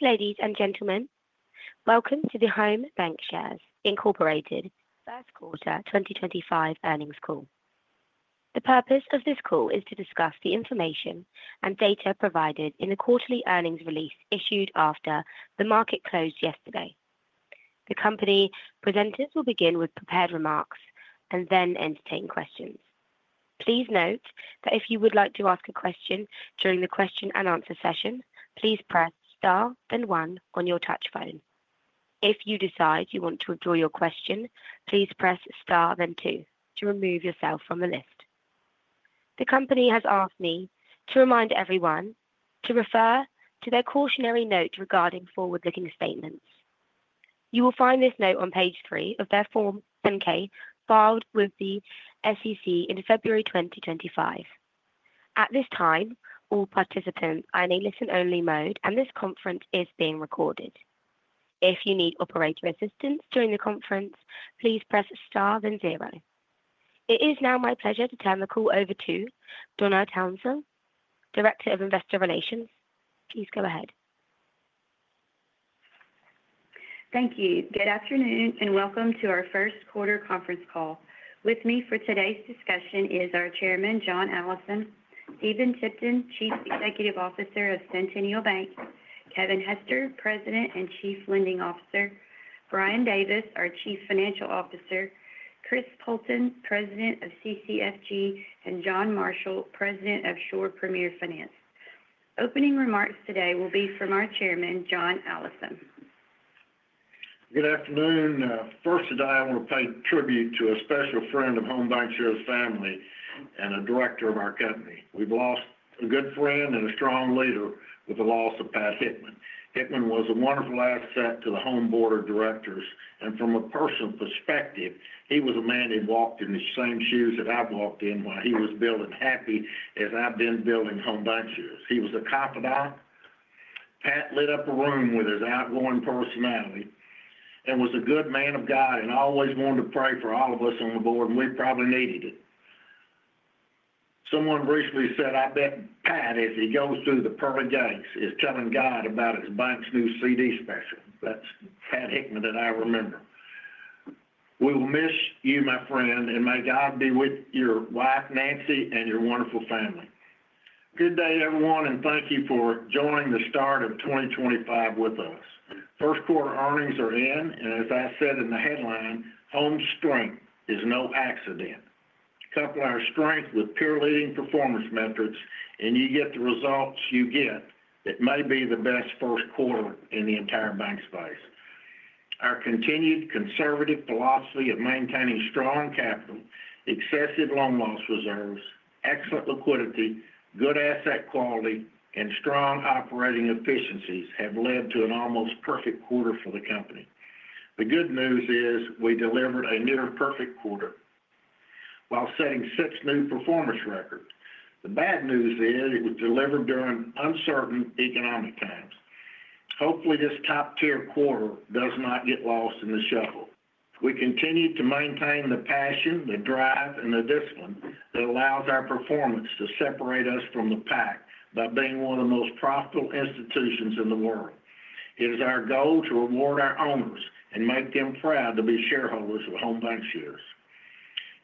Ladies and gentlemen, welcome to the Home Bancshares First Quarter 2025 Earnings Call. The purpose of this call is to discuss the information and data provided in the quarterly earnings release issued after the market closed yesterday. The company presenters will begin with prepared remarks and then entertain questions. Please note that if you would like to ask a question during the question and answer session, please press star then one on your touch phone. If you decide you want to withdraw your question, please press star then two to remove yourself from the list. The company has asked me to remind everyone to refer to their cautionary note regarding forward-looking statements. You will find this note on page three of their form 10-K filed with the SEC in February 2025. At this time, all participants are in a listen-only mode, and this conference is being recorded. If you need operator assistance during the conference, please press star then zero. It is now my pleasure to turn the call over to Donna Townsell, Director of Investor Relations. Please go ahead. Thank you. Good afternoon and welcome to our first quarter conference call. With me for today's discussion is our Chairman, John Allison, Stephen Tipton, Chief Executive Officer of Centennial Bank, Kevin Hester, President and Chief Lending Officer, Brian Davis, our Chief Financial Officer, Chris Poulton, President of CCFG, and John Marshall, President of Shore Premier Finance. Opening remarks today will be from our Chairman, John Allison. Good afternoon. First, I want to pay tribute to a special friend of Home Bancshares' family and a director of our company. We've lost a good friend and a strong leader with the loss of Pat Hickman. Hickman was a wonderful asset to the Home Board of Directors. From a personal perspective, he was a man who walked in the same shoes that I've walked in while he was building Happy as I've been building Home Bancshares. He was a confidant. Pat lit up a room with his outgoing personality and was a good man of God and always wanted to pray for all of us on the board, and we probably needed it. Someone recently said, "I bet Pat if he goes through the pearly gates is telling God about his bank's new CD special." That's Pat Hickman that I remember. We will miss you, my friend, and may God be with your wife, Nancy, and your wonderful family. Good day, everyone, and thank you for joining the start of 2025 with us. First quarter earnings are in, and as I said in the headline, home strength is no accident. Couple our strength with peer-leading performance metrics, and you get the results you get. It may be the best first quarter in the entire bank space. Our continued conservative philosophy of maintaining strong capital, excessive loan loss reserves, excellent liquidity, good asset quality, and strong operating efficiencies have led to an almost perfect quarter for the company. The good news is we delivered a near-perfect quarter while setting such new performance records. The bad news is it was delivered during uncertain economic times. Hopefully, this top-tier quarter does not get lost in the shuffle. We continue to maintain the passion, the drive, and the discipline that allows our performance to separate us from the pack by being one of the most profitable institutions in the world. It is our goal to reward our owners and make them proud to be shareholders of Home Bancshares.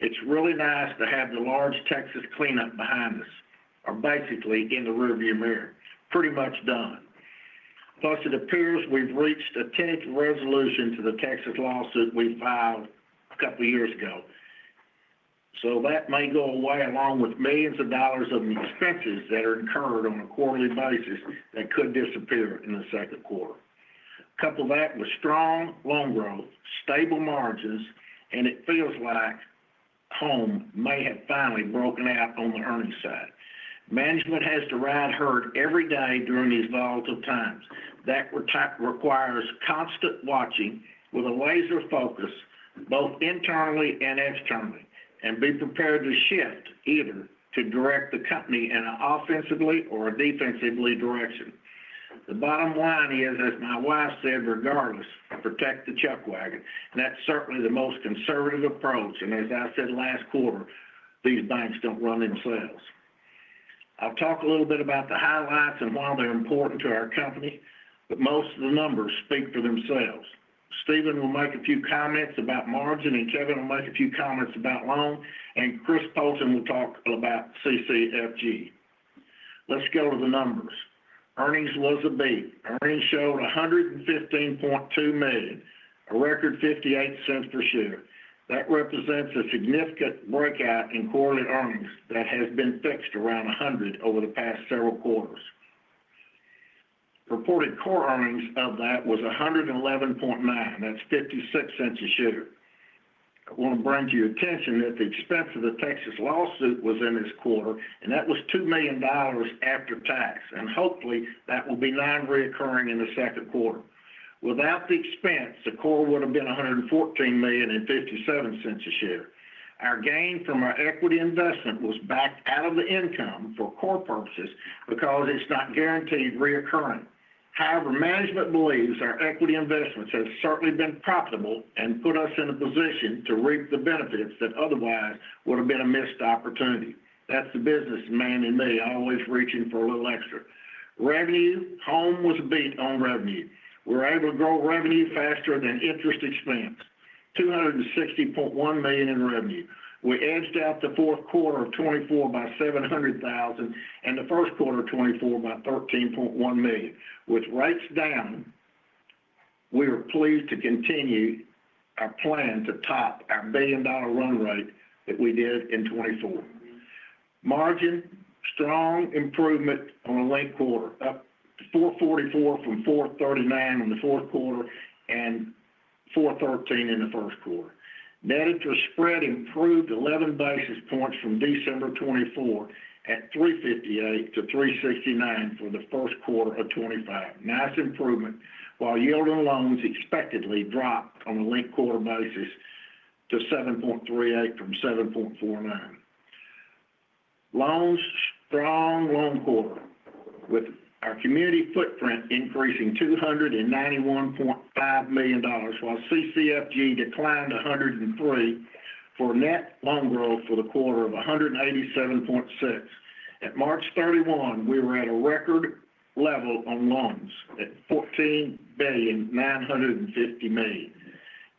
It's really nice to have the large Texas cleanup behind us, or basically in the rearview mirror, pretty much done. Plus, it appears we've reached a tentative resolution to the Texas lawsuit we filed a couple of years ago. That may go away along with millions of dollars of expenses that are incurred on a quarterly basis that could disappear in the second quarter. Couple that with strong loan growth, stable margins, and it feels like home may have finally broken out on the earnings side. Management has to ride herd every day during these volatile times. That requires constant watching with a laser focus both internally and externally and be prepared to shift either to direct the company in an offensively or a defensively direction. The bottom line is, as my wife said, regardless, protect the chuck wagon. That's certainly the most conservative approach. As I said last quarter, these banks don't run themselves. I'll talk a little bit about the highlights and why they're important to our company, but most of the numbers speak for themselves. Stephen will make a few comments about margin, and Kevin will make a few comments about loan, and Chris Poulton will talk about CCFG. Let's go to the numbers. Earnings was a beat. Earnings showed $115.2 million, a record $0.58 per share. That represents a significant breakout in quarterly earnings that has been fixed around $100 million over the past several quarters. Reported core earnings of that was $111.9 million. That's $0.56 a share. I want to bring to your attention that the expense of the Texas lawsuit was in this quarter, and that was $2 million after tax. Hopefully, that will be non-reoccurring in the second quarter. Without the expense, the core would have been $114.57 million a share. Our gain from our equity investment was backed out of the income for core purposes because it's not guaranteed reoccurring. However, management believes our equity investments have certainly been profitable and put us in a position to reap the benefits that otherwise would have been a missed opportunity. That's the business man in me always reaching for a little extra. Revenue, Home was a beat on revenue. We were able to grow revenue faster than interest expense, $260.1 million in revenue. We edged out the fourth quarter of 2024 by $700,000 and the first quarter of 2024 by $13.1 million. With rates down, we are pleased to continue our plan to top our billion-dollar run rate that we did in 2024. Margin, strong improvement on a late quarter, up 4.44 from 4.39 in the fourth quarter and 4.13 in the first quarter. Net interest spread improved 11 basis points from December 2024 at 3.58-3.69 for the first quarter of 2025. Nice improvement while yield on loans expectedly dropped on a late quarter basis to 7.38 from 7.49. Loans, strong loan quarter with our community footprint increasing $291.5 million while CCFG declined $103 million for net loan growth for the quarter of $187.6 million. At March 31, we were at a record level on loans at $14,950,000,000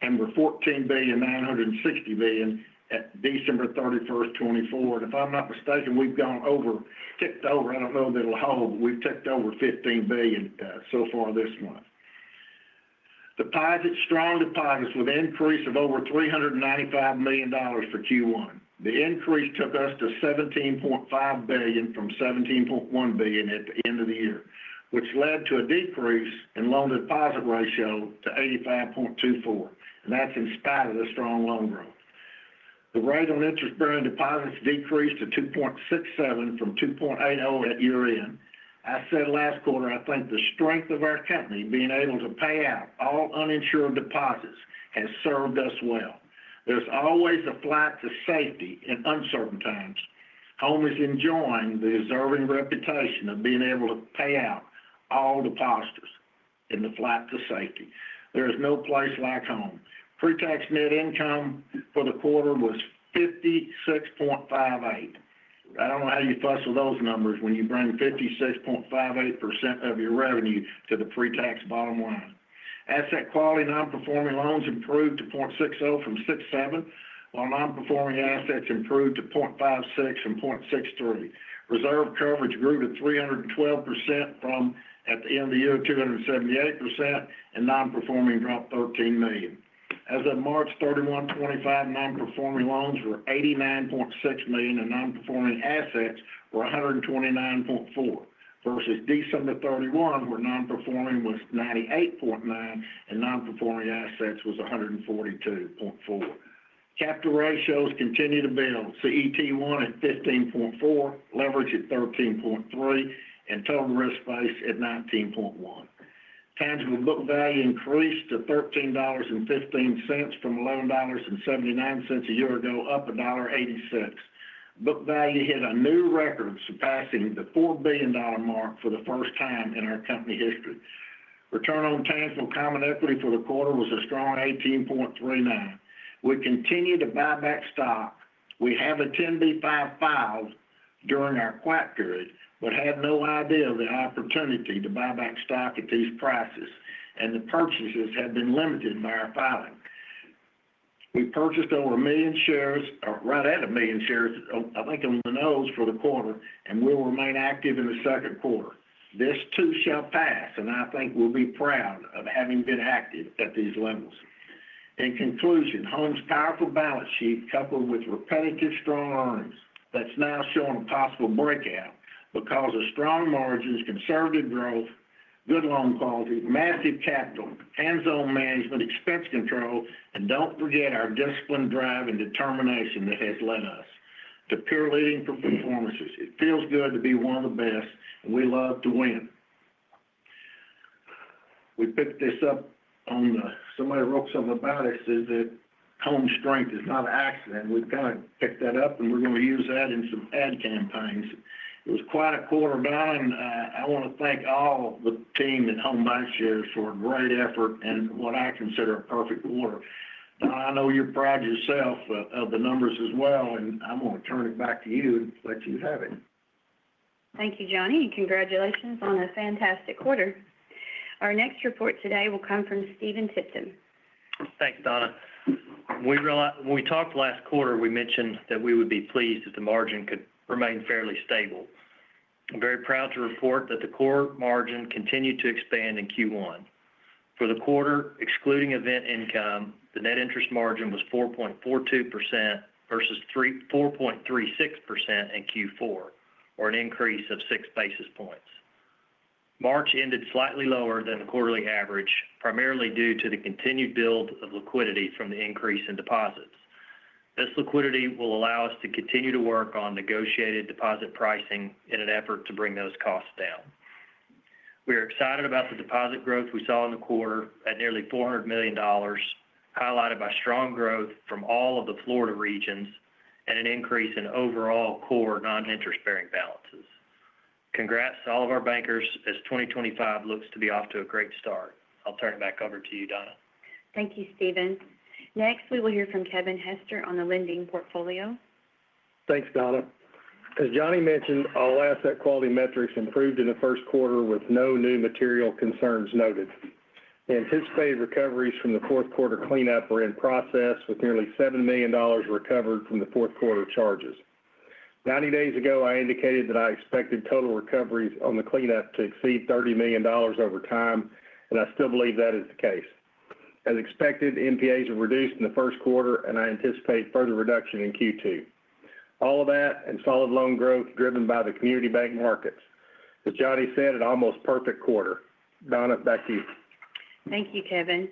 and were $14,960,000,000 at December 31, 2024. If I'm not mistaken, we've gone over, ticked over, I don't know that it'll hold, but we've ticked over $15 billion so far this month. Deposits, strong deposits with an increase of over $395 million for Q1. The increase took us to $17.5 billion from $17.1 billion at the end of the year, which led to a decrease in loan deposit ratio to 85.24%. That's in spite of the strong loan growth. The rate on interest bearing deposits decreased to 2.67% from 2.80% at year-end. I said last quarter, I think the strength of our company being able to pay out all uninsured deposits has served us well. There's always a flight to safety in uncertain times. Home is enjoying the deserving reputation of being able to pay out all depositors in the flight to safety. There is no place like home. Pre-tax net income for the quarter was $56.58 million. I don't know how you fuss with those numbers when you bring 56.58% of your revenue to the pre-tax bottom line. Asset quality non-performing loans improved to 0.60% from 0.67%, while non-performing assets improved to 0.56% and 0.63%. Reserve coverage grew to 312% from, at the end of the year, 278%, and non-performing dropped $13 million. As of March 31, 2025, non-performing loans were $89.6 million and non-performing assets were $129.4 million versus December 31, where non-performing was $98.9 million and non-performing assets was $142.4 million. Capital ratios continue to build. CET1 at 15.4%, leverage at 13.3%, and total risk-based at 19.1%. Tangible book value increased to $13.15 from $11.79 a year ago, up $1.36. Book value hit a new record, surpassing the $4 billion mark for the first time in our company history. Return on tangible common equity for the quarter was a strong 18.39%. We continue to buy back stock. We have a 10B5 filed during our quiet period, but had no idea of the opportunity to buy back stock at these prices, and the purchases have been limited by our filing. We purchased over a million shares, right at a million shares, I think on the nose for the quarter, and we'll remain active in the second quarter. This too shall pass, and I think we'll be proud of having been active at these levels. In conclusion, Home's powerful balance sheet coupled with repetitive strong earnings, that's now showing a possible breakout because of strong margins, conservative growth, good loan quality, massive capital, hands-on management, expense control, and don't forget our discipline, drive, and determination that has led us to peer-leading performances. It feels good to be one of the best, and we love to win. We picked this up on the somebody wrote something about it, says that Home strength is not an accident. We've kind of picked that up, and we're going to use that in some ad campaigns. It was quite a quarter done. I want to thank all the team at Home Bancshares for a great effort and what I consider a perfect quarter. I know you're proud of yourself of the numbers as well, and I'm going to turn it back to you and let you have it. Thank you, Johnny. Congratulations on a fantastic quarter. Our next report today will come from Stephen Tipton. Thanks, Donna. We talked last quarter. We mentioned that we would be pleased if the margin could remain fairly stable. I'm very proud to report that the core margin continued to expand in Q1. For the quarter, excluding event income, the net interest margin was 4.42% versus 4.36% in Q4, or an increase of six basis points. March ended slightly lower than the quarterly average, primarily due to the continued build of liquidity from the increase in deposits. This liquidity will allow us to continue to work on negotiated deposit pricing in an effort to bring those costs down. We are excited about the deposit growth we saw in the quarter at nearly $400 million, highlighted by strong growth from all of the Florida regions and an increase in overall core non-interest-bearing balances. Congrats to all of our bankers as 2025 looks to be off to a great start. I'll turn it back over to you, Donna. Thank you, Stephen. Next, we will hear from Kevin Hester on the lending portfolio. Thanks, Donna. As Johnny mentioned, all asset quality metrics improved in the first quarter with no new material concerns noted. Anticipated recoveries from the fourth quarter cleanup were in process with nearly $7 million recovered from the fourth quarter charges. Ninety days ago, I indicated that I expected total recoveries on the cleanup to exceed $30 million over time, and I still believe that is the case. As expected, NPAs were reduced in the first quarter, and I anticipate further reduction in Q2. All of that and solid loan growth driven by the community bank markets. As Johnny said, an almost perfect quarter. Donna, back to you. Thank you, Kevin.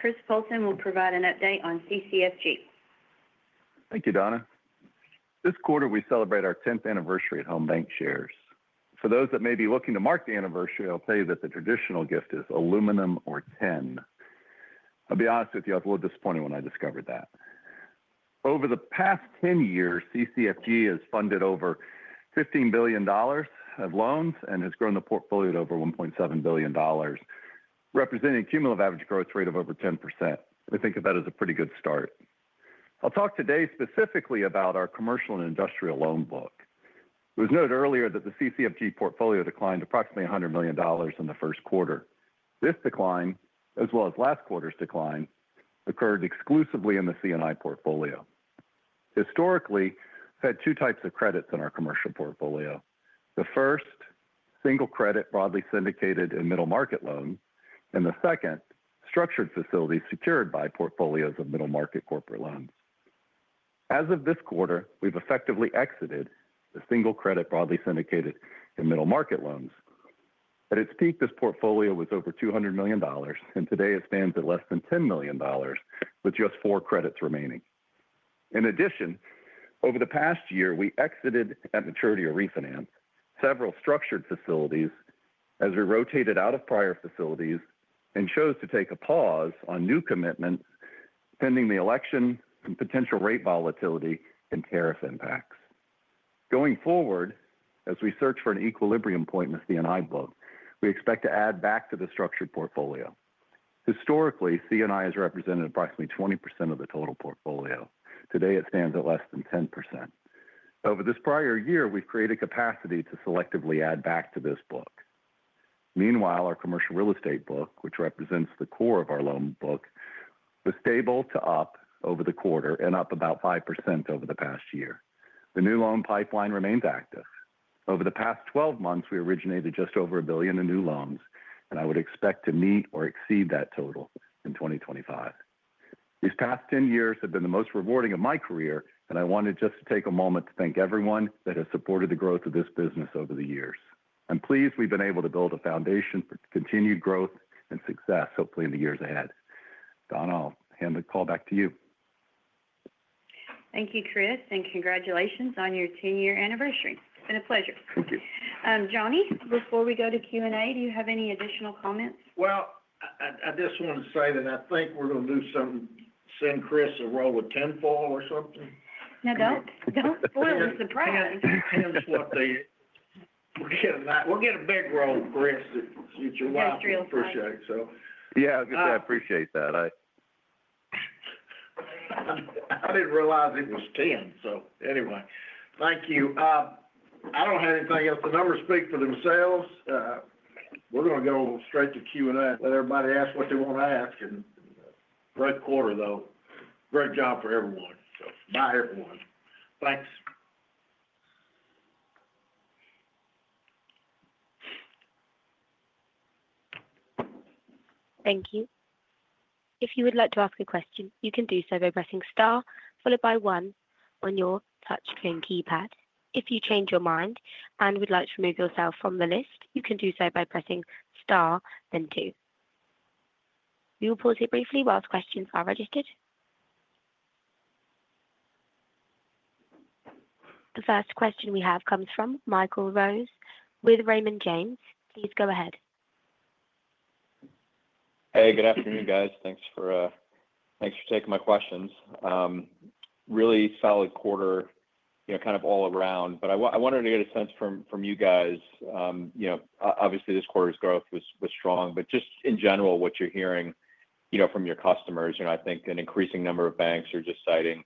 Chris Poulton will provide an update on CCFG. Thank you, Donna. This quarter, we celebrate our 10th anniversary at Home Bancshares. For those that may be looking to mark the anniversary, I'll tell you that the traditional gift is aluminum or tin. I'll be honest with you, I was a little disappointed when I discovered that. Over the past 10 years, CCFG has funded over $15 billion of loans and has grown the portfolio to over $1.7 billion, representing a cumulative average growth rate of over 10%. We think of that as a pretty good start. I'll talk today specifically about our commercial and industrial loan book. It was noted earlier that the CCFG portfolio declined approximately $100 million in the first quarter. This decline, as well as last quarter's decline, occurred exclusively in the C&I portfolio. Historically, we've had two types of credits in our commercial portfolio. The first, single credit broadly syndicated and middle market loans, and the second, structured facilities secured by portfolios of middle market corporate loans. As of this quarter, we've effectively exited the single credit broadly syndicated and middle market loans. At its peak, this portfolio was over $200 million, and today it stands at less than $10 million with just four credits remaining. In addition, over the past year, we exited at maturity or refinance several structured facilities as we rotated out of prior facilities and chose to take a pause on new commitments pending the election and potential rate volatility and tariff impacts. Going forward, as we search for an equilibrium point in the C&I book, we expect to add back to the structured portfolio. Historically, C&I has represented approximately 20% of the total portfolio. Today, it stands at less than 10%. Over this prior year, we've created capacity to selectively add back to this book. Meanwhile, our commercial real estate book, which represents the core of our loan book, was stable to up over the quarter and up about 5% over the past year. The new loan pipeline remains active. Over the past 12 months, we originated just over $1 billion in new loans, and I would expect to meet or exceed that total in 2025. These past 10 years have been the most rewarding of my career, and I wanted just to take a moment to thank everyone that has supported the growth of this business over the years. I'm pleased we've been able to build a foundation for continued growth and success, hopefully in the years ahead. Donna, I'll hand the call back to you. Thank you, Chris, and congratulations on your 10-year anniversary. It's been a pleasure. Thank you. Johnny, before we go to Q&A, do you have any additional comments? I just want to say that I think we're going to do something, send Chris a roll of tenfold or something. No, don't spoil the surprise. We'll get a big roll, Chris, that you'll appreciate. Yeah, I appreciate that. I didn't realize it was 10, so anyway, thank you. I don't have anything else. The numbers speak for themselves. We're going to go straight to Q&A. Let everybody ask what they want to ask. Great quarter, though. Great job for everyone. Bye, everyone. Thanks. Thank you. If you would like to ask a question, you can do so by pressing star followed by one on your touchscreen keypad. If you change your mind and would like to remove yourself from the list, you can do so by pressing star, then two. We will pause here briefly whilst questions are registered. The first question we have comes from Michael Rose with Raymond James. Please go ahead. Hey, good afternoon, guys. Thanks for taking my questions. Really solid quarter, kind of all around. I wanted to get a sense from you guys. Obviously, this quarter's growth was strong, just in general, what you're hearing from your customers. I think an increasing number of banks are just citing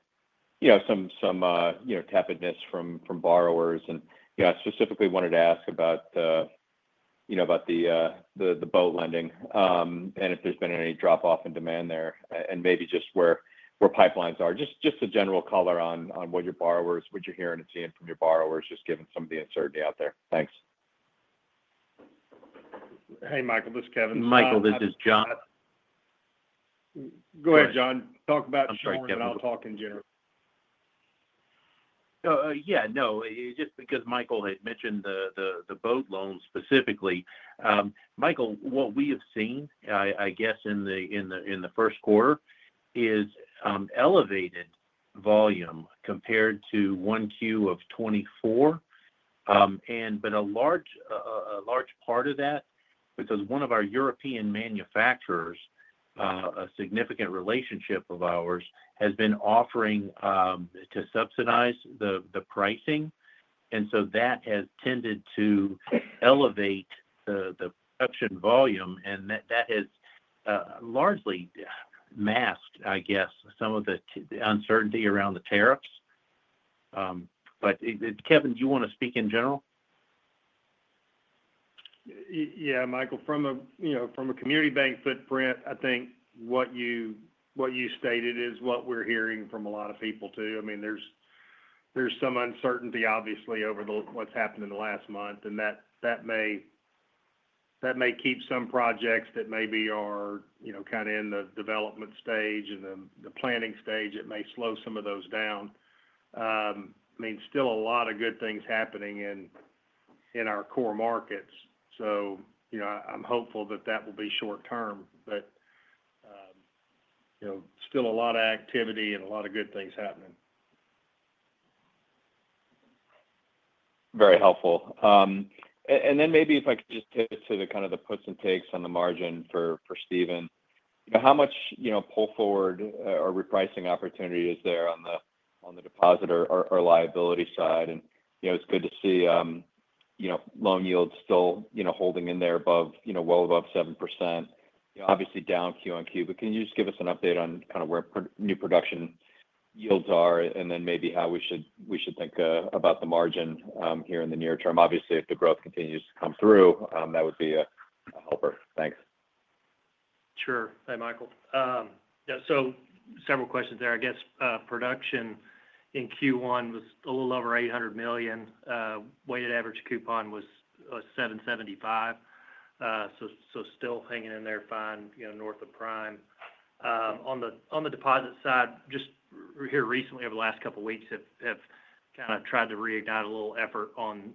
some tepidness from borrowers. I specifically wanted to ask about the boat lending and if there's been any drop-off in demand there and maybe just where pipelines are. Just a general color on what you're hearing and seeing from your borrowers, just given some of the uncertainty out there. Thanks. Hey, Michael, this is Kevin. Michael, this is John. Go ahead, John. Talk about short and I'll talk in general. Yeah, no, just because Michael had mentioned the boat loan specifically. Michael, what we have seen, I guess, in the first quarter is elevated volume compared to one Q of 2024. A large part of that, because one of our European manufacturers, a significant relationship of ours, has been offering to subsidize the pricing. That has tended to elevate the production volume, and that has largely masked, I guess, some of the uncertainty around the tariffs. Kevin, do you want to speak in general? Yeah, Michael, from a community bank footprint, I think what you stated is what we're hearing from a lot of people too. I mean, there's some uncertainty, obviously, over what's happened in the last month, and that may keep some projects that maybe are kind of in the development stage and the planning stage. It may slow some of those down. I mean, still a lot of good things happening in our core markets. I am hopeful that that will be short-term, but still a lot of activity and a lot of good things happening. Very helpful. Maybe if I could just pivot to the kind of the puts and takes on the margin for Stephen. How much pull forward or repricing opportunity is there on the deposit or liability side? It is good to see loan yields still holding in there well above 7%. Obviously, down Q on Q. Can you just give us an update on kind of where new production yields are and then maybe how we should think about the margin here in the near term? Obviously, if the growth continues to come through, that would be a helper. Thanks. Sure. Hey, Michael. Several questions there. I guess production in Q1 was a little over $800 million. Weighted average coupon was 7.75%. Still hanging in there fine, north of prime. On the deposit side, just here recently, over the last couple of weeks, have kind of tried to reignite a little effort on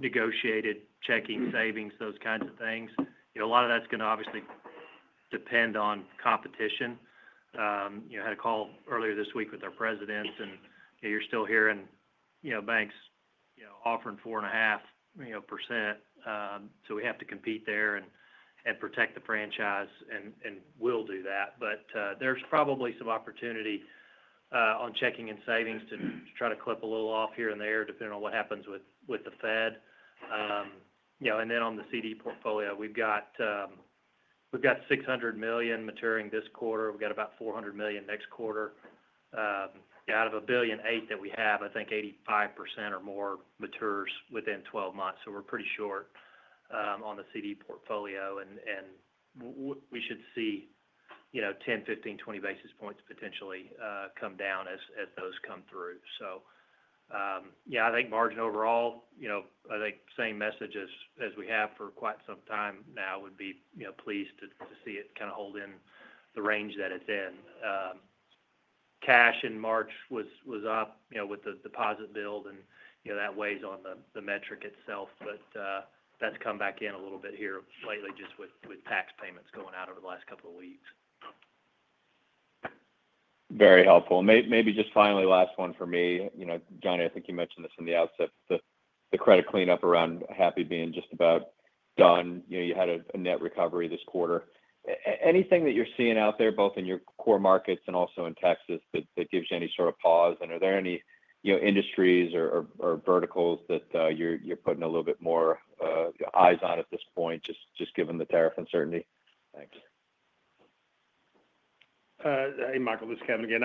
negotiated checking, savings, those kinds of things. A lot of that's going to obviously depend on competition. I had a call earlier this week with our presidents, and you're still hearing banks offering 4.5%. We have to compete there and protect the franchise, and we'll do that. There's probably some opportunity on checking and savings to try to clip a little off here and there, depending on what happens with the Fed. On the CD portfolio, we've got $600 million maturing this quarter. We've got about $400 million next quarter. Out of a billion eight that we have, I think 85% or more matures within 12 months. We are pretty short on the CD portfolio, and we should see 10, 15, 20 basis points potentially come down as those come through. I think margin overall, I think same message as we have for quite some time now, would be pleased to see it kind of hold in the range that it's in. Cash in March was up with the deposit build, and that weighs on the metric itself, but that's come back in a little bit here lately just with tax payments going out over the last couple of weeks. Very helpful. Maybe just finally, last one for me. Johnny, I think you mentioned this in the outset, but the credit cleanup around Happy being just about done. You had a net recovery this quarter. Anything that you're seeing out there, both in your core markets and also in Texas, that gives you any sort of pause? Are there any industries or verticals that you're putting a little bit more eyes on at this point, just given the tariff uncertainty? Thanks. Hey, Michael, this is Kevin again.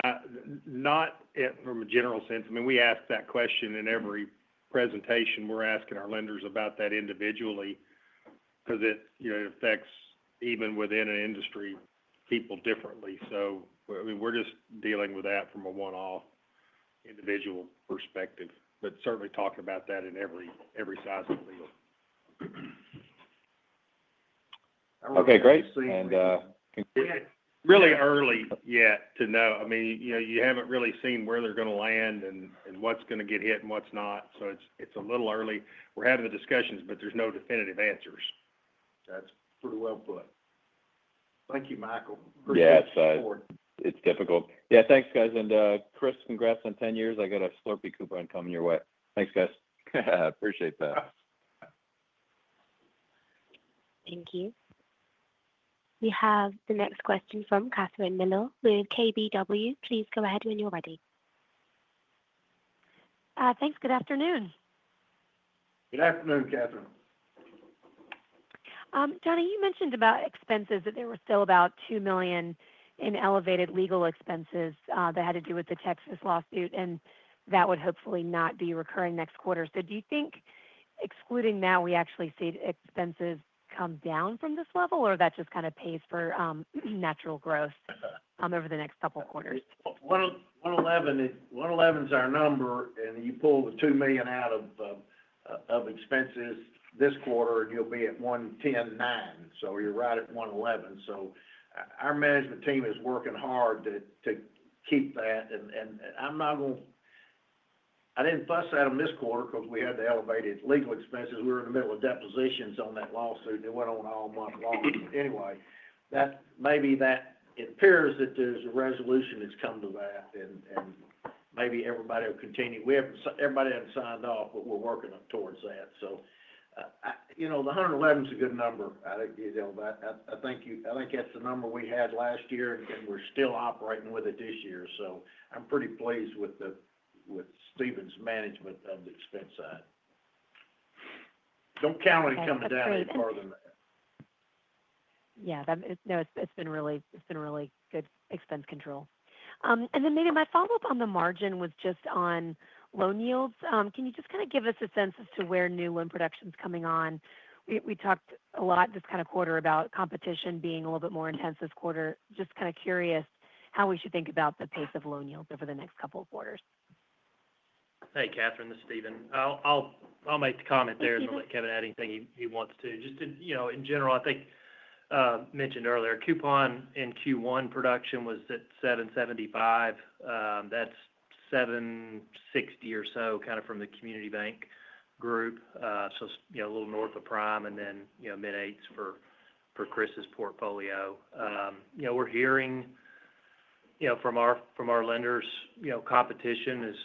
Not from a general sense. I mean, we ask that question in every presentation. We're asking our lenders about that individually because it affects even within an industry people differently. I mean, we're just dealing with that from a one-off individual perspective, but certainly talking about that in every size of the deal. Okay, great. Really early yet to know. I mean, you haven't really seen where they're going to land and what's going to get hit and what's not. It is a little early. We're having the discussions, but there's no definitive answers. That's pretty well put. Thank you, Michael. Yeah, it's difficult. Yeah, thanks, guys. Chris, congrats on 10 years. I got a Slurpee coupon coming your way. Thanks, guys. Appreciate that. Thank you. We have the next question from Catherine Mealor with KBW. Please go ahead when you're ready. Thanks. Good afternoon. Good afternoon, Catherine. Johnny, you mentioned about expenses that there were still about $2 million in elevated legal expenses that had to do with the Texas lawsuit, and that would hopefully not be recurring next quarter. Do you think excluding that, we actually see expenses come down from this level, or that just kind of pays for natural growth over the next couple of quarters? 1, 11 is our number, and you pull the $2 million out of expenses this quarter, and you'll be at 1, 10, 9. So you're right at 1, 11. Our management team is working hard to keep that. I'm not going to—I didn't fuss at them this quarter because we had to elevate it. Legal expenses, we were in the middle of depositions on that lawsuit. It went on all month long. Anyway, maybe it appears that there's a resolution that's come to that, and maybe everybody will continue. Everybody hasn't signed off, but we're working towards that. The 111 is a good number. I think that's the number we had last year, and we're still operating with it this year. I'm pretty pleased with Stephen's management of the expense side. Don't count any coming down any farther than that. Yeah. No, it's been really good expense control. Maybe my follow-up on the margin was just on loan yields. Can you just kind of give us a sense as to where new loan production's coming on? We talked a lot this quarter about competition being a little bit more intense this quarter. Just kind of curious how we should think about the pace of loan yields over the next couple of quarters. Hey, Catherine, this is Stephen. I'll make the comment there and let Kevin add anything he wants to. Just in general, I think mentioned earlier, coupon in Q1 production was at 7.75. That's 7.60 or so kind of from the community bank group. So a little north of prime and then mid-eights for Chris's portfolio. We're hearing from our lenders competition is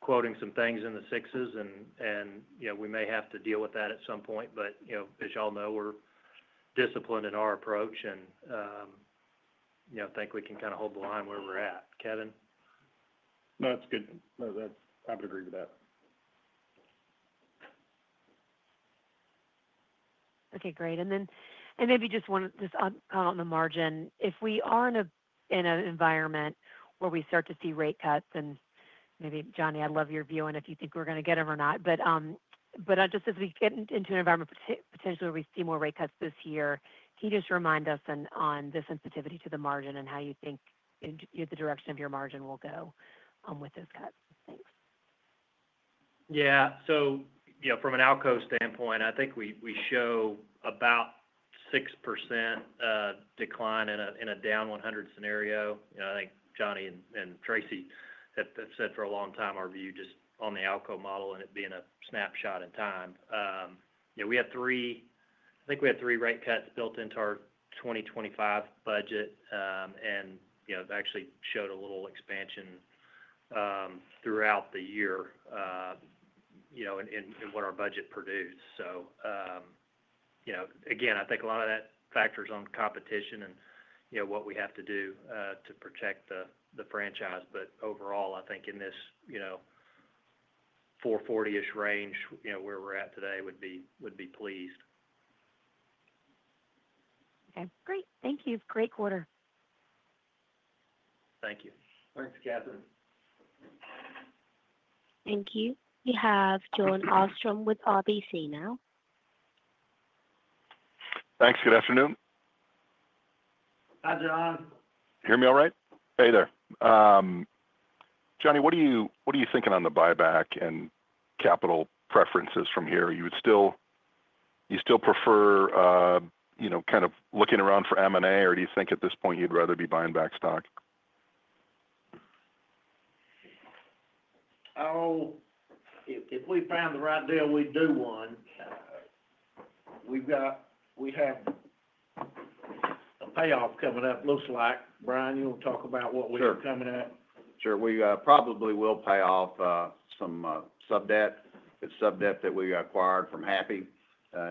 quoting some things in the sixes, and we may have to deal with that at some point. As y'all know, we're disciplined in our approach and think we can kind of hold the line where we're at. Kevin? No, that's good. I would agree with that. Okay, great. Maybe just on the margin, if we are in an environment where we start to see rate cuts, and maybe Johnny, I'd love your view on if you think we're going to get them or not. Just as we get into an environment potentially where we see more rate cuts this year, can you just remind us on the sensitivity to the margin and how you think the direction of your margin will go with those cuts? Thanks. Yeah. From an outcome standpoint, I think we show about 6% decline in a down 100 scenario. I think Johnny and Tracy have said for a long time our view just on the outcome model and it being a snapshot in time. We have three—I think we have three rate cuts built into our 2025 budget and actually showed a little expansion throughout the year in what our budget produced. Again, I think a lot of that factors on competition and what we have to do to protect the franchise. Overall, I think in this 440-ish range where we're at today would be pleased. Okay. Great. Thank you. Great quarter. Thank you. Thanks, Catherine. Thank you. We have Jon Arfstrom with RBC now. Thanks. Good afternoon. Hi, John. Hear me all right? Hey there. Johnny, what are you thinking on the buyback and capital preferences from here? You still prefer kind of looking around for M&A, or do you think at this point you'd rather be buying back stock? Oh, if we found the right deal, we'd do one. We have a payoff coming up. Looks like Brian, you'll talk about what we have coming up. Sure. We probably will pay off some subdebt. It's subdebt that we acquired from Happy.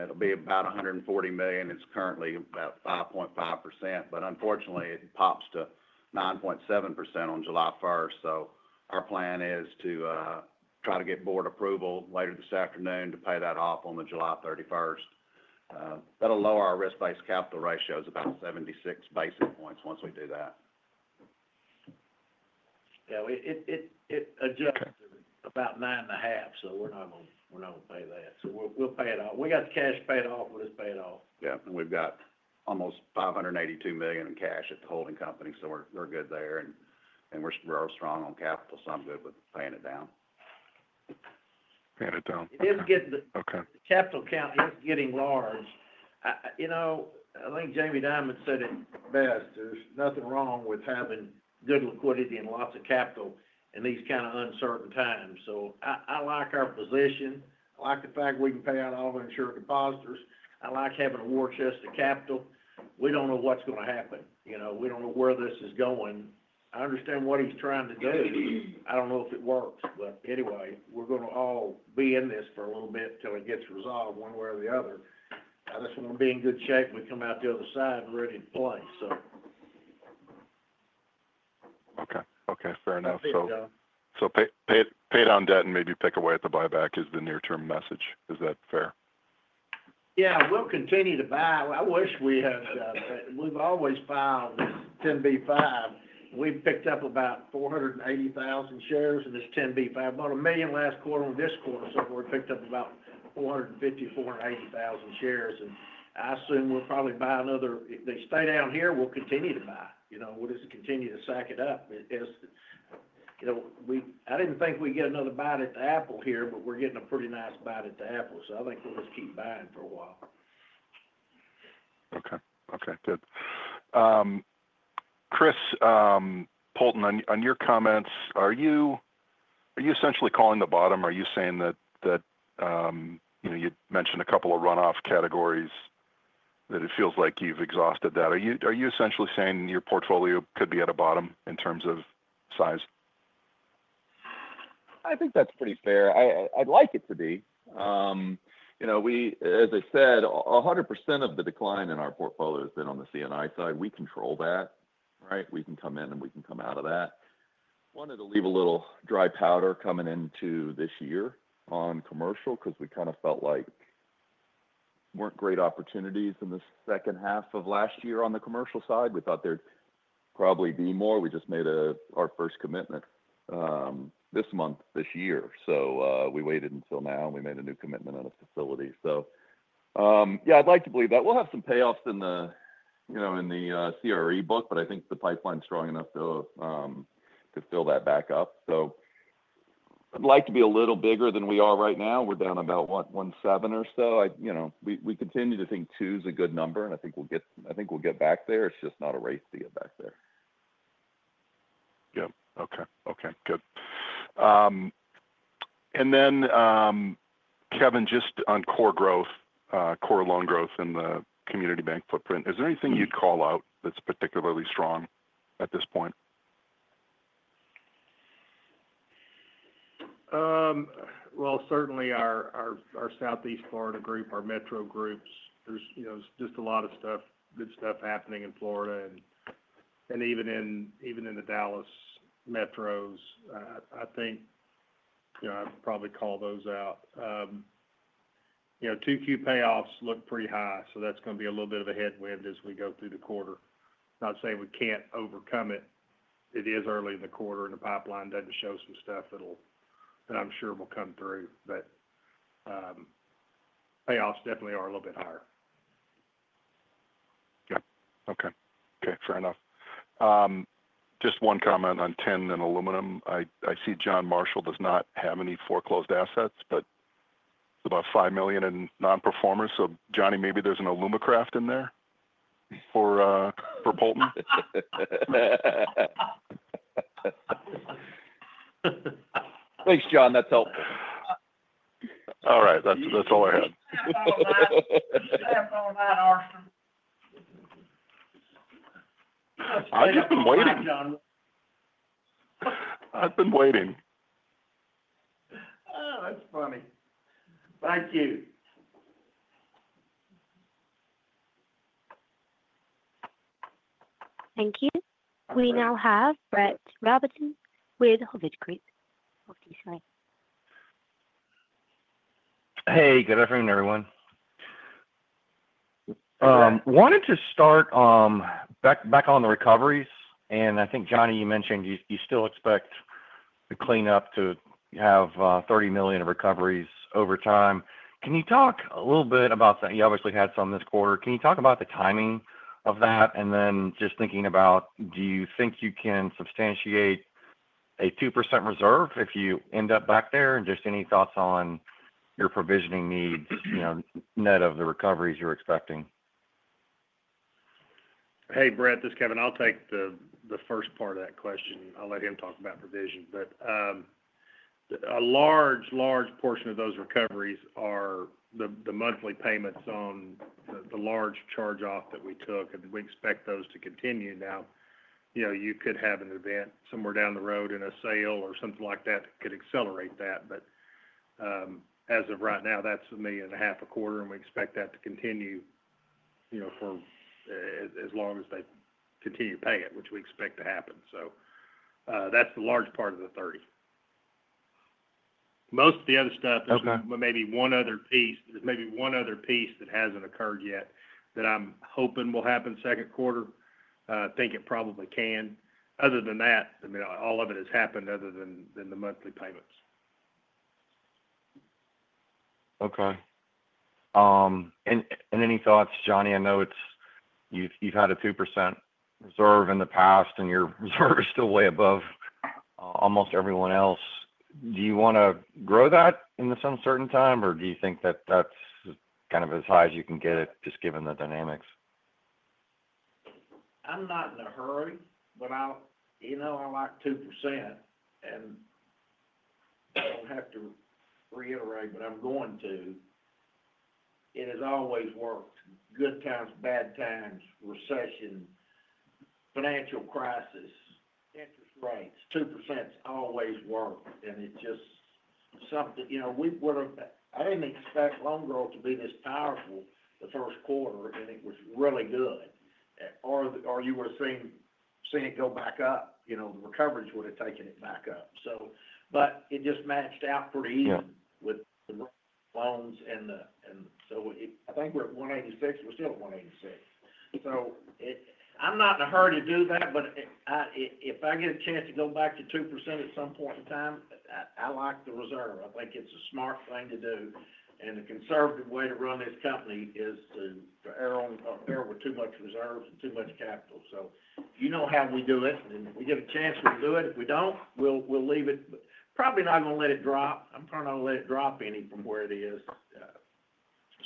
It'll be about $140 million. It's currently about 5.5%. Unfortunately, it pops to 9.7% on July 1. Our plan is to try to get board approval later this afternoon to pay that off on July 31. That'll lower our risk-based capital ratios about 76 basis points once we do that. Yeah. It adjusts to about 9.5, so we're not going to pay that. We'll pay it off. We got the cash paid off. We'll just pay it off. Yeah. We've got almost $582 million in cash at the holding company. We're good there. We're strong on capital, so I'm good with paying it down. Paying it down. It is getting—the capital count is getting large. I think Jamie Dimon said it best. There's nothing wrong with having good liquidity and lots of capital in these kind of uncertain times. I like our position. I like the fact we can pay out all the insured depositors. I like having a war chest of capital. We don't know what's going to happen. We don't know where this is going. I understand what he's trying to do. I don't know if it works. Anyway, we're going to all be in this for a little bit until it gets resolved one way or the other. I just want to be in good shape and come out the other side and ready to play, so. Okay. Okay. Fair enough. Pay down debt and maybe pick away at the buyback is the near-term message. Is that fair? Yeah. We'll continue to buy. I wish we had—we've always filed this 10B5. We've picked up about $480,000 shares in this 10B5. About a million last quarter and this quarter. We've picked up about $450,000, $480,000 shares. I assume we'll probably buy another—if they stay down here, we'll continue to buy. We'll just continue to sack it up. I didn't think we'd get another buy at the apple here, but we're getting a pretty nice buy at the apple. I think we'll just keep buying for a while. Okay. Okay. Good. Chris Poulton, on your comments, are you essentially calling the bottom? Are you saying that you mentioned a couple of runoff categories that it feels like you've exhausted that? Are you essentially saying your portfolio could be at a bottom in terms of size? I think that's pretty fair. I'd like it to be. As I said, 100% of the decline in our portfolio has been on the C&I side. We control that, right? We can come in and we can come out of that. Wanted to leave a little dry powder coming into this year on commercial because we kind of felt like there weren't great opportunities in the second half of last year on the commercial side. We thought there'd probably be more. We just made our first commitment this month this year. We waited until now, and we made a new commitment on a facility. Yeah, I'd like to believe that. We'll have some payoffs in the CRE book, but I think the pipeline's strong enough to fill that back up. I'd like to be a little bigger than we are right now. We're down about what?17 or so. We continue to think two is a good number, and I think we'll get back there. It's just not a race to get back there. Yeah. Okay. Okay. Good. Kevin, just on core growth, core loan growth in the community bank footprint, is there anything you'd call out that's particularly strong at this point? Certainly our Southeast Florida group, our metro groups. There's just a lot of good stuff happening in Florida and even in the Dallas metros. I think I'd probably call those out. Two-queue payoffs look pretty high, so that's going to be a little bit of a headwind as we go through the quarter. Not saying we can't overcome it. It is early in the quarter, and the pipeline doesn't show some stuff that I'm sure will come through. Payoffs definitely are a little bit higher. Yeah. Okay. Okay. Fair enough. Just one comment on 10 and aluminum. I see John Marshall does not have any foreclosed assets, but it's about $5 million in non-performers. So Johnny, maybe there's an Alumacraft in there for Poulton? Thanks, John. That's helpful. All right. That's all I had. I've been waiting. Oh, that's funny. Thank you. Thank you. We now have Brett Rabatin with Hovde Group. Hey. Good afternoon, everyone. Wanted to start back on the recoveries. I think, Johnny, you mentioned you still expect the cleanup to have $30 million of recoveries over time. Can you talk a little bit about that? You obviously had some this quarter. Can you talk about the timing of that? Just thinking about, do you think you can substantiate a 2% reserve if you end up back there? Any thoughts on your provisioning needs net of the recoveries you're expecting? Hey, Brett, this is Kevin. I'll take the first part of that question. I'll let him talk about provision. A large, large portion of those recoveries are the monthly payments on the large charge-off that we took. We expect those to continue. Now, you could have an event somewhere down the road in a sale or something like that that could accelerate that. As of right now, that's $1,500,000 a quarter, and we expect that to continue for as long as they continue to pay it, which we expect to happen. That's the large part of the 30. Most of the other stuff, maybe one other piece, there's maybe one other piece that hasn't occurred yet that I'm hoping will happen second quarter. I think it probably can. Other than that, I mean, all of it has happened other than the monthly payments. Okay. Any thoughts, Johnny? I know you've had a 2% reserve in the past, and your reserve is still way above almost everyone else. Do you want to grow that in some certain time, or do you think that that's kind of as high as you can get it, just given the dynamics? I'm not in a hurry, but I like 2%. I don't have to reiterate, but I'm going to. It has always worked. Good times, bad times, recession, financial crisis, interest rates, 2% always worked. It's just something I didn't expect loan growth to be this powerful the first quarter, and it was really good. You would have seen it go back up. The recoveries would have taken it back up. It just matched out pretty easy with the loans. I think we're at 186. We're still at 186. I'm not in a hurry to do that, but if I get a chance to go back to 2% at some point in time, I like the reserve. I think it's a smart thing to do. The conservative way to run this company is to err with too much reserve and too much capital. You know how we do it. If we get a chance, we'll do it. If we don't, we'll leave it. Probably not going to let it drop. I'm probably not going to let it drop any from where it is.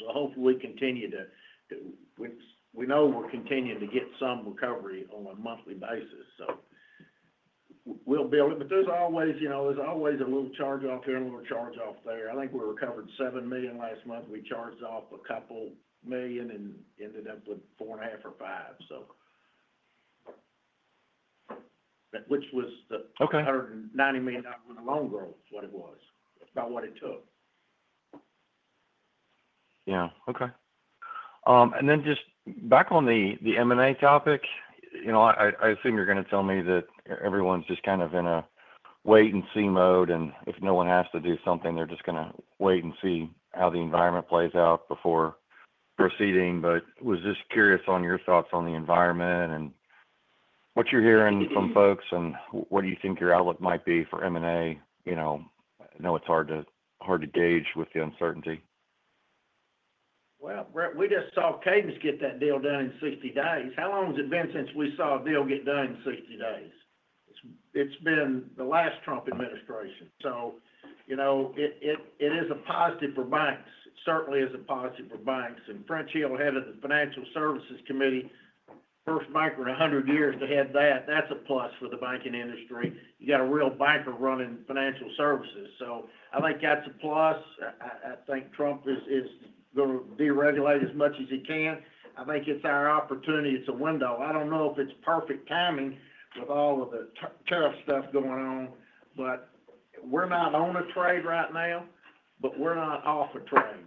Hopefully, we continue to—we know we're continuing to get some recovery on a monthly basis. We'll build it. There's always a little charge-off here, a little charge-off there. I think we recovered $7 million last month. We charged off a couple million and ended up with $4.5 or $5 million, which was the $190 million in loan growth, what it was, about what it took. Yeah. Okay. Just back on the M&A topic, I assume you're going to tell me that everyone's just kind of in a wait-and-see mode. If no one has to do something, they're just going to wait and see how the environment plays out before proceeding. I was just curious on your thoughts on the environment and what you're hearing from folks, and what do you think your outlook might be for M&A? I know it's hard to gauge with the uncertainty. We just saw Cadence get that deal done in 60 days. How long has it been since we saw a deal get done in 60 days? It's been the last Trump administration. It is a positive for banks. It certainly is a positive for banks. French Hill headed the Financial Services Committee, first banker in 100 years to head that. That's a plus for the banking industry. You got a real banker running financial services. I think that's a plus. I think Trump is going to deregulate as much as he can. I think it's our opportunity. It's a window. I don't know if it's perfect timing with all of the tariff stuff going on, but we're not on a trade right now, but we're not off a trade.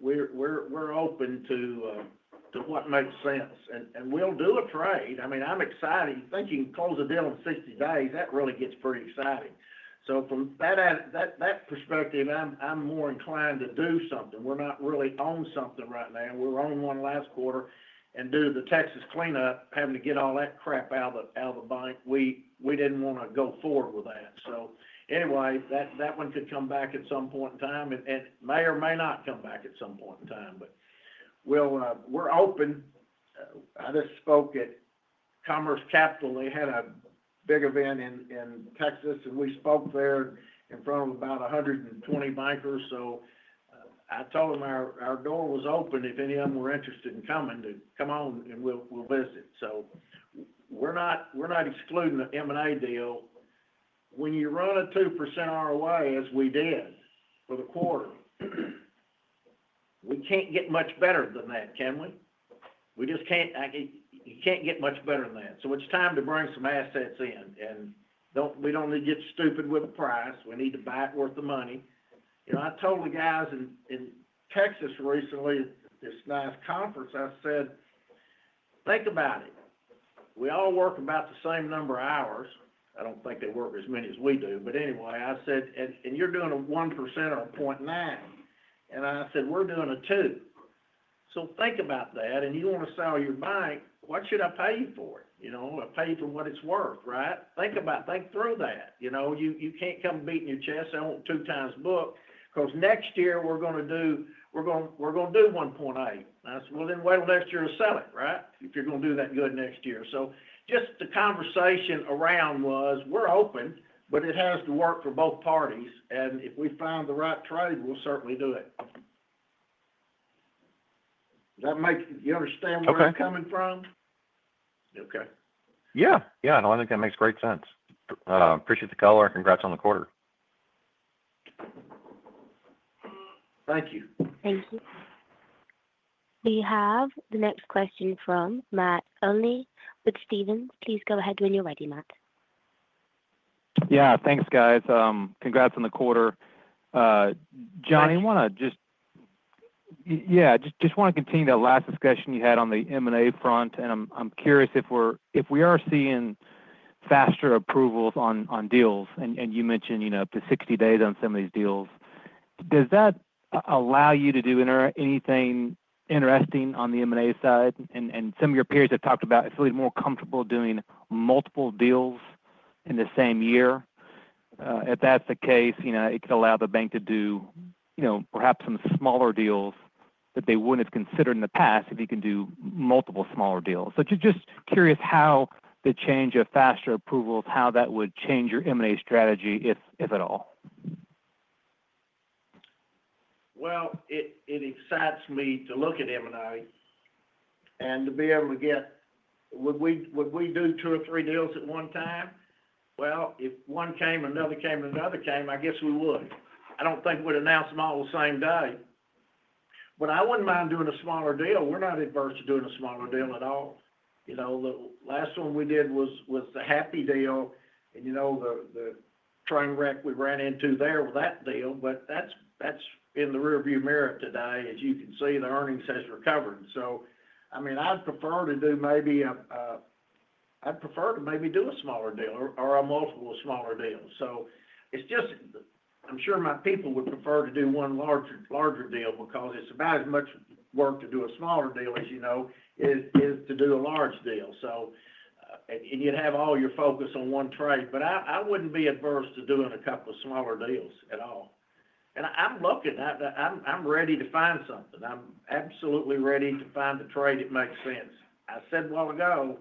We're open to what makes sense. We'll do a trade. I mean, I'm excited. You think you can close a deal in 60 days? That really gets pretty exciting. From that perspective, I'm more inclined to do something. We're not really on something right now. We were on one last quarter and due to the Texas cleanup, having to get all that crap out of the bank, we didn't want to go forward with that. That one could come back at some point in time and may or may not come back at some point in time. We're open. I just spoke at Commerce Capital. They had a big event in Texas, and we spoke there in front of about 120 bankers. I told them our door was open if any of them were interested in coming to come on and we'll visit. We're not excluding the M&A deal. When you run a 2% ROI, as we did for the quarter, we can't get much better than that, can we? You can't get much better than that. It is time to bring some assets in. We don't need to get stupid with the price. We need to buy it worth the money. I told the guys in Texas recently, this nice conference, I said, "Think about it. We all work about the same number of hours." I don't think they work as many as we do. Anyway, I said, "And you're doing a 1% or a 0.9?" I said, "We're doing a 2." Think about that. You want to sell your bank, what should I pay you for it? I pay you for what it's worth, right? Think through that. You can't come beating your chest. I want two times booked because next year we're going to do 1.8. Wait till next year to sell it, right, if you're going to do that good next year. Just the conversation around was, "We're open, but it has to work for both parties. If we find the right trade, we'll certainly do it." Does that make you understand where I'm coming from? Okay. Yeah. No, I think that makes great sense. Appreciate the call. Congrats on the quarter. Thank you. Thank you. We have the next question from Matt Olney with Stephens, please go ahead when you're ready, Matt. Yeah. Thanks, guys. Congrats on the quarter. Johnny, I want to just—yeah, just want to continue that last discussion you had on the M&A front. I'm curious if we are seeing faster approvals on deals. You mentioned up to 60 days on some of these deals. Does that allow you to do anything interesting on the M&A side? Some of your peers have talked about, "I feel more comfortable doing multiple deals in the same year." If that's the case, it could allow the bank to do perhaps some smaller deals that they wouldn't have considered in the past if you can do multiple smaller deals. Just curious how the change of faster approvals, how that would change your M&A strategy, if at all. It excites me to look at M&A and to be able to get—would we do two or three deals at one time? If one came, another came, another came, I guess we would. I do not think we would announce them all the same day. I would not mind doing a smaller deal. We are not adverse to doing a smaller deal at all. The last one we did was the Happy deal. And the train wreck we ran into there with that deal. That is in the rearview mirror today. As you can see, the earnings have recovered. I mean, I would prefer to do maybe a—I would prefer to maybe do a smaller deal or a multiple smaller deal. It is just I am sure my people would prefer to do one larger deal because it is about as much work to do a smaller deal as to do a large deal. You'd have all your focus on one trade. I wouldn't be adverse to doing a couple of smaller deals at all. I'm looking. I'm ready to find something. I'm absolutely ready to find a trade that makes sense. I said a while ago,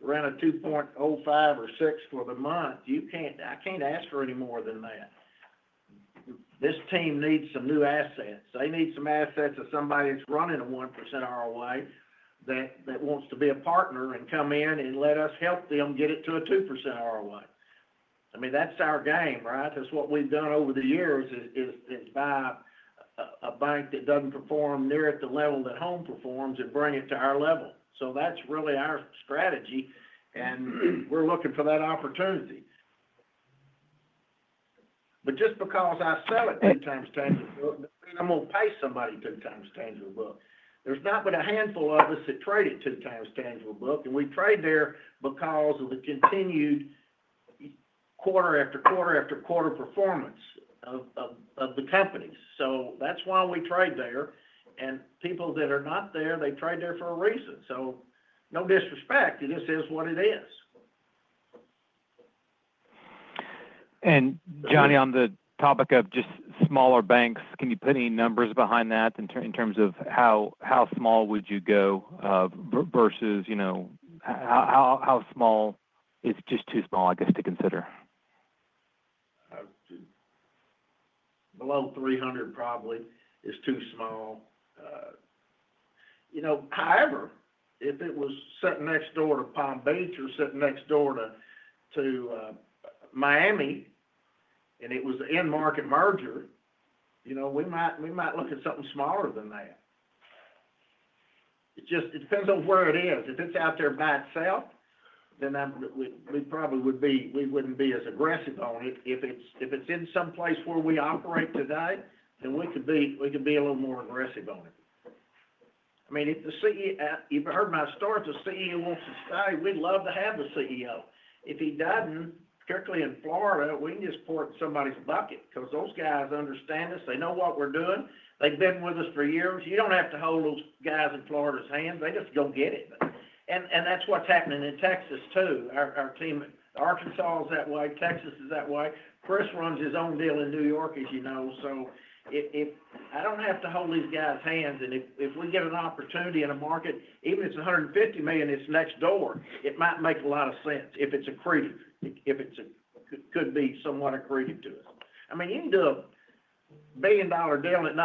we're in a 2.05 or 6 for the month. I can't ask for any more than that. This team needs some new assets. They need some assets of somebody that's running a 1% ROI that wants to be a partner and come in and let us help them get it to a 2% ROI. I mean, that's our game, right? That's what we've done over the years, is buy a bank that doesn't perform near at the level that home performs and bring it to our level. That's really our strategy. We're looking for that opportunity. Just because I sell it two times tangible book, I'm going to pay somebody two times tangible book. There's not but a handful of us that trade at two times tangible book. We trade there because of the continued quarter after quarter after quarter performance of the companies. That's why we trade there. People that are not there, they trade there for a reason. No disrespect. This is what it is. Johnny, on the topic of just smaller banks, can you put any numbers behind that in terms of how small would you go versus how small is just too small, I guess, to consider? Below 300 probably is too small. However, if it was sitting next door to Palm Beach or sitting next door to Miami and it was an in-market merger, we might look at something smaller than that. It depends on where it is. If it's out there by itself, we probably would be—we wouldn't be as aggressive on it. If it's in someplace where we operate today, we could be a little more aggressive on it. I mean, if the CEO—you've heard my story. The CEO wants to stay. We'd love to have the CEO. If he doesn't, particularly in Florida, we can just pour it in somebody's bucket because those guys understand us. They know what we're doing. They've been with us for years. You don't have to hold those guys in Florida's hands. They just go get it. That's what's happening in Texas too. Arkansas is that way. Texas is that way. Chris runs his own deal in New York, as you know. I do not have to hold these guys' hands. If we get an opportunity in a market, even if it is $150 million, it is next door. It might make a lot of sense if it is accretive. It could be somewhat accretive to us. I mean, you can do a billion-dollar deal and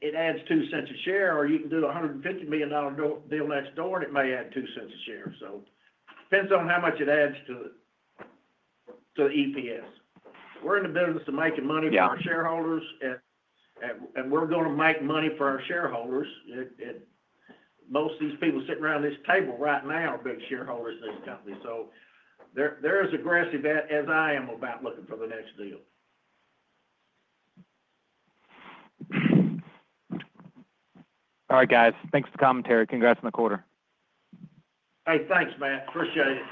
it adds two cents a share, or you can do a $150 million deal next door and it may add two cents a share. It depends on how much it adds to the EPS. We are in the business of making money for our shareholders, and we are going to make money for our shareholders. Most of these people sitting around this table right now are big shareholders in this company. They're as aggressive as I am about looking for the next deal. All right, guys. Thanks for the commentary. Congrats on the quarter. Hey, thanks, Matt. Appreciate it.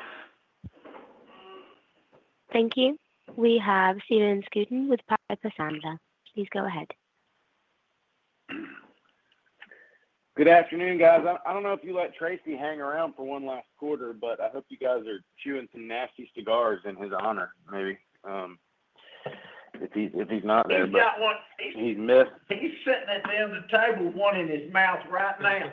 Thank you. We have Stephen Scouten with Piper Sandler. Please go ahead. Good afternoon, guys. I don't know if you let Tracy hang around for one last quarter, but I hope you guys are chewing some nasty cigars in his honor, maybe, if he's not there. He's got one piece. He's sitting at the end of the table, one in his mouth right now.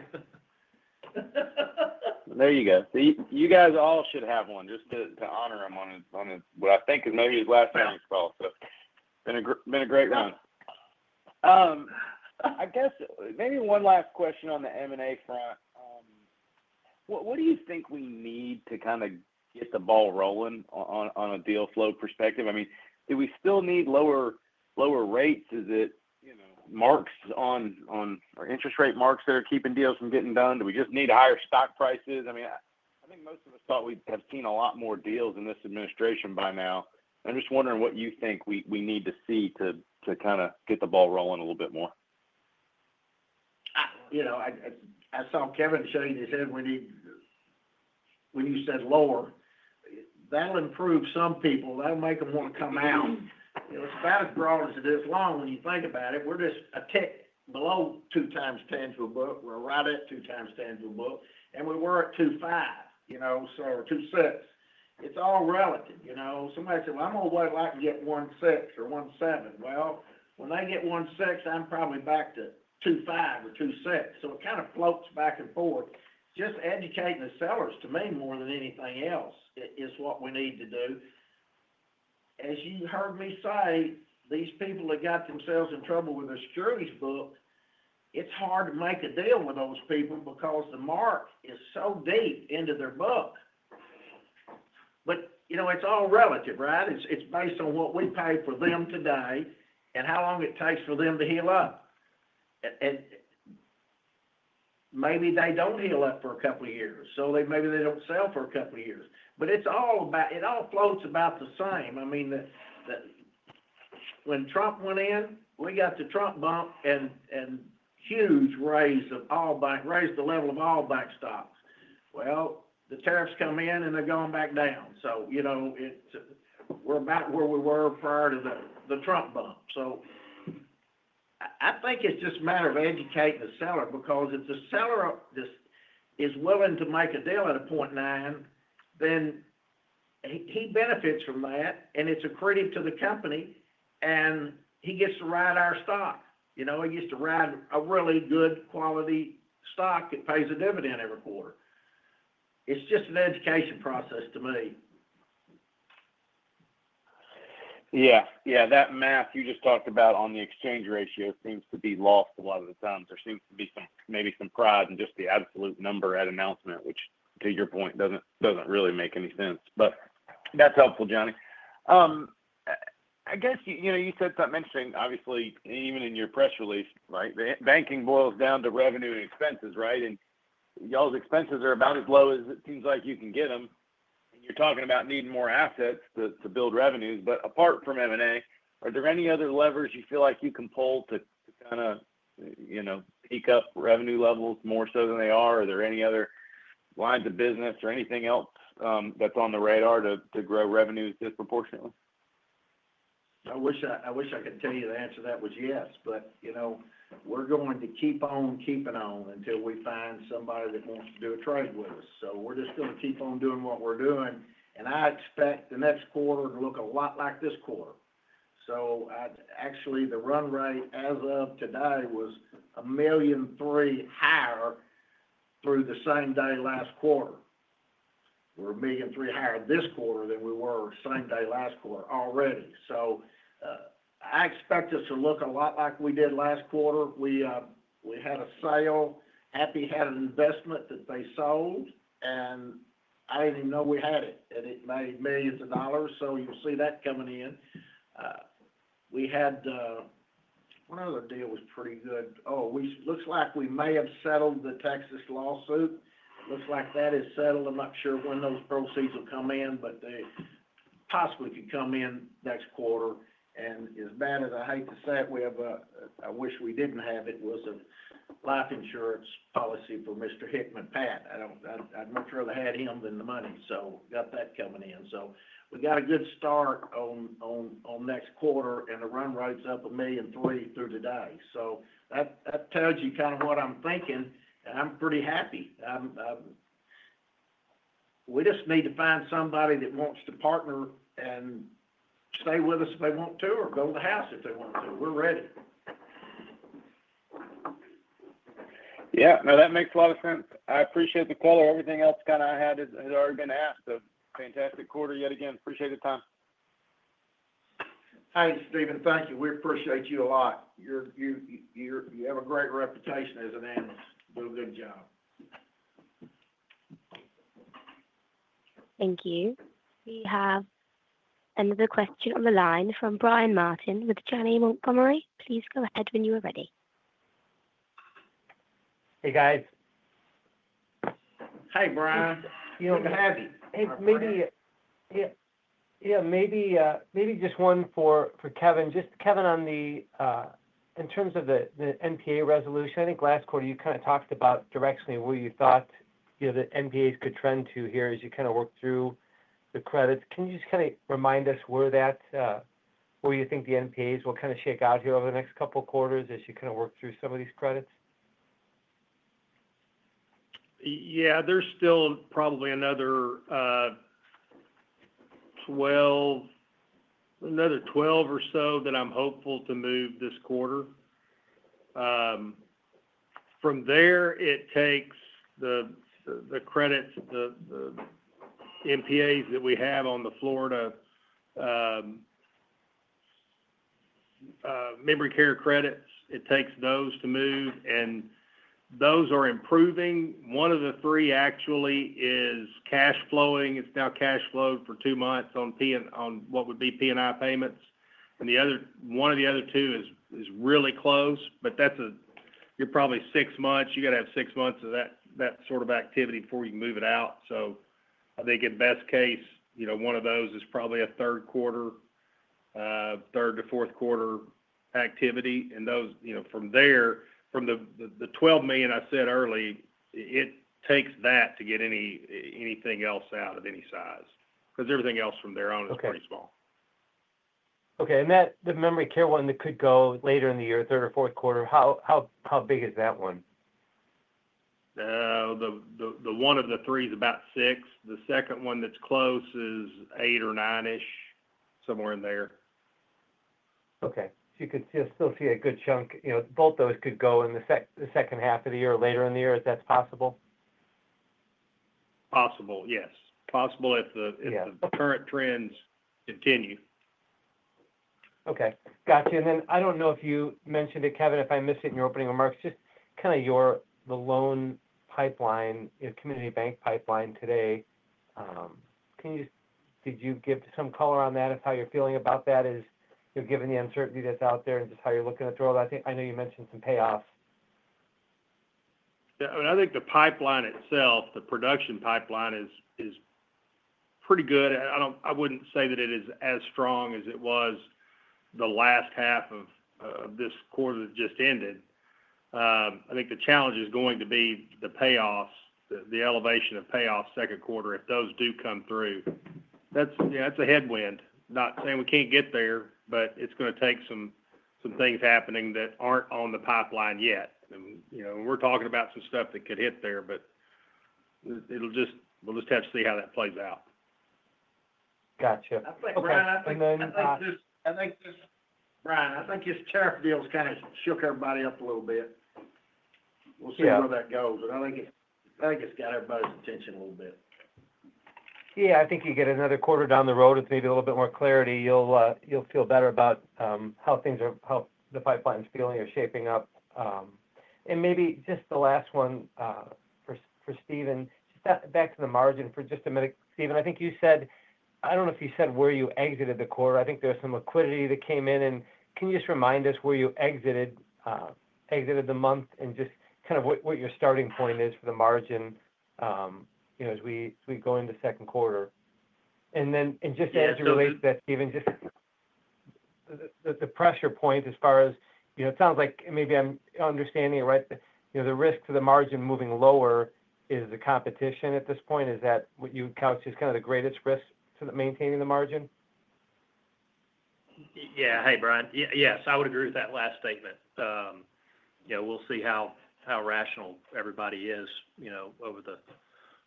There you go. You guys all should have one just to honor him on what I think is maybe his last name he's called. It's been a great run. I guess maybe one last question on the M&A front. What do you think we need to kind of get the ball rolling on a deal flow perspective? I mean, do we still need lower rates? Is it marks on or interest rate marks that are keeping deals from getting done? Do we just need higher stock prices? I mean, I think most of us thought we'd have seen a lot more deals in this administration by now. I'm just wondering what you think we need to see to kind of get the ball rolling a little bit more. I saw Kevin say he said when you said lower, that'll improve some people. That'll make them want to come out. It's about as broad as it is long when you think about it. We're just a tick below two times tangible book. We're right at two times tangible book. And we were at 2.5 or 2.6. It's all relative. Somebody said, "Well, I'm all the way like to get 1.6 or 1.7." Well, when they get 1.6, I'm probably back to 2.5 or 2.6. So it kind of floats back and forth. Just educating the sellers, to me, more than anything else, is what we need to do. As you heard me say, these people that got themselves in trouble with their securities book, it's hard to make a deal with those people because the mark is so deep into their book. But it's all relative, right? It's based on what we pay for them today and how long it takes for them to heal up. Maybe they don't heal up for a couple of years. Maybe they don't sell for a couple of years. It all floats about the same. I mean, when Trump went in, we got the Trump bump and huge raise of all bank, raise the level of all bank stocks. The tariffs come in and they're going back down. We're about where we were prior to the Trump bump. I think it's just a matter of educating the seller because if the seller is willing to make a deal at a 0.9, then he benefits from that. It's accretive to the company. He gets to ride our stock. He gets to ride a really good quality stock that pays a dividend every quarter. It's just an education process to me. Yeah. Yeah. That math you just talked about on the exchange ratio seems to be lost a lot of the time. There seems to be maybe some pride in just the absolute number at announcement, which, to your point, doesn't really make any sense. That's helpful, Johnny. I guess you said something interesting. Obviously, even in your press release, right, banking boils down to revenue and expenses, right? And y'all's expenses are about as low as it seems like you can get them. You're talking about needing more assets to build revenues. Apart from M&A, are there any other levers you feel like you can pull to kind of peak up revenue levels more so than they are? Are there any other lines of business or anything else that's on the radar to grow revenues disproportionately? I wish I could tell you the answer to that was yes. We are going to keep on keeping on until we find somebody that wants to do a trade with us. We are just going to keep on doing what we are doing. I expect the next quarter to look a lot like this quarter. Actually, the run rate as of today was $1.3 million higher through the same day last quarter. We are $1.3 million higher this quarter than we were same day last quarter already. I expect us to look a lot like we did last quarter. We had a sale. Happy had an investment that they sold. I did not even know we had it. It made millions of dollars. You will see that coming in. We had one other deal that was pretty good. Oh, looks like we may have settled the Texas lawsuit. Looks like that is settled. I'm not sure when those proceeds will come in, but they possibly could come in next quarter. As bad as I hate to say it, we have a—I wish we didn't have it—was a life insurance policy for Mr. Pat Hickman. I'd much rather have had him than the money. Got that coming in. We got a good start on next quarter. The run rate's up a million three through today. That tells you kind of what I'm thinking. I'm pretty happy. We just need to find somebody that wants to partner and stay with us if they want to or go to the house if they want to. We're ready. Yeah. No, that makes a lot of sense. I appreciate the call. Everything else kind of I had has already been asked. Fantastic quarter yet again. Appreciate the time. Thanks, Stephen. Thank you. We appreciate you a lot. You have a great reputation as an analyst. Do a good job. Thank you. We have another question on the line from Brian Martin with Janney Montgomery. Please go ahead when you are ready. Hey, guys. Hey, Brian. Good to have you. Yeah, maybe just one for Kevin. Just Kevin, in terms of the NPA resolution, I think last quarter you kind of talked about directly where you thought the NPAs could trend to here as you kind of worked through the credits. Can you just kind of remind us where that—where you think the NPAs will kind of shake out here over the next couple of quarters as you kind of work through some of these credits? Yeah. There's still probably another 12 or so that I'm hopeful to move this quarter. From there, it takes the credits, the NPAs that we have on the Florida memory care credits. It takes those to move. Those are improving. One of the three, actually, is cash flowing. It's now cash flowed for two months on what would be P&I payments. One of the other two is really close. You're probably six months. You got to have six months of that sort of activity before you can move it out. I think in best case, one of those is probably a third quarter, third to fourth quarter activity. From the $12 million I said early, it takes that to get anything else out of any size because everything else from there on is pretty small. Okay. The memory care one that could go later in the year, third or fourth quarter, how big is that one? The one of the three is about six. The second one that's close is eight or nine-ish, somewhere in there. Okay. So you could still see a good chunk. Both those could go in the second half of the year or later in the year if that's possible? Possible, yes. Possible if the current trends continue. Okay. Gotcha. I do not know if you mentioned it, Kevin, if I missed it in your opening remarks, just kind of the loan pipeline, community bank pipeline today. Did you give some color on that of how you are feeling about that as you are given the uncertainty that is out there and just how you are looking to throw it? I know you mentioned some payoffs. Yeah. I mean, I think the pipeline itself, the production pipeline is pretty good. I would not say that it is as strong as it was the last half of this quarter that just ended. I think the challenge is going to be the payoffs, the elevation of payoffs second quarter if those do come through. That is a headwind. Not saying we cannot get there, but it is going to take some things happening that are not on the pipeline yet. We are talking about some stuff that could hit there, but we will just have to see how that plays out. Gotcha. I think just, Brian, I think his tariff deal has kind of shook everybody up a little bit. We'll see where that goes. I think it's got everybody's attention a little bit. Yeah. I think you get another quarter down the road, it's maybe a little bit more clarity. You'll feel better about how the pipeline's feeling or shaping up. Maybe just the last one for Stephen, just back to the margin for just a minute. Stephen, I think you said—I don't know if you said where you exited the quarter. I think there was some liquidity that came in. Can you just remind us where you exited the month and just kind of what your starting point is for the margin as we go into second quarter? Just as you relate to that, Stephen, just the pressure point as far as it sounds like maybe I'm understanding it right. The risk to the margin moving lower is the competition at this point. Is that what you would count as kind of the greatest risk to maintaining the margin? Yeah. Hey, Brian. Yes, I would agree with that last statement. We'll see how rational everybody is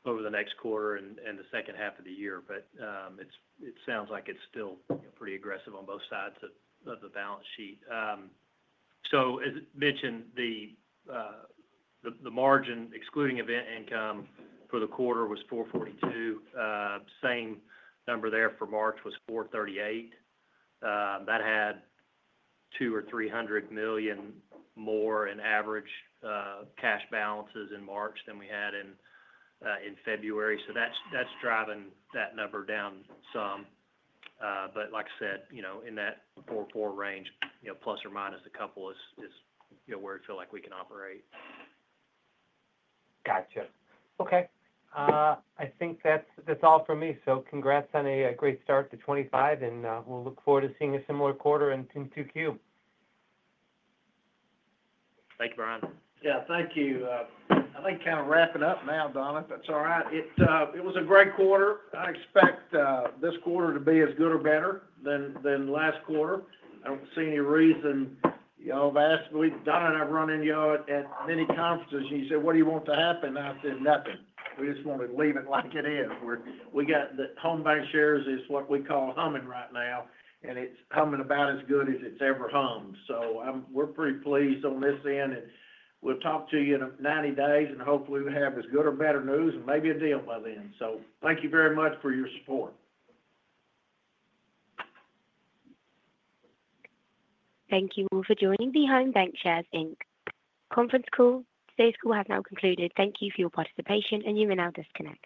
over the next quarter and the second half of the year. It sounds like it's still pretty aggressive on both sides of the balance sheet. As mentioned, the margin excluding event income for the quarter was 4.42. Same number there for March was 4.38. That had $200 million or $300 million more in average cash balances in March than we had in February. That's driving that number down some. Like I said, in that 4.4 range, plus or minus a couple, is where we feel like we can operate. Gotcha. Okay. I think that's all for me. Congrats on a great start to 2025. We'll look forward to seeing a similar quarter in 2Q. Thank you, Brian. Yeah. Thank you. I think kind of wrapping up now, Donna, if that's all right. It was a great quarter. I expect this quarter to be as good or better than last quarter. I don't see any reason y'all have asked. Donna, and I've run into y'all at many conferences. You said, "What do you want to happen?" I said, "Nothing. We just want to leave it like it is." We got the Home Bancshares is what we call humming right now. And it's humming about as good as it's ever hummed. So we're pretty pleased on this end. We'll talk to you in 90 days and hopefully have as good or better news and maybe a deal by then. Thank you very much for your support. Thank you all for joining Home Bancshares conference call. Today's call has now concluded. Thank you for your participation, and you may now disconnect.